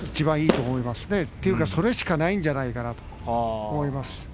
というか、それしかないんじゃないかと思います。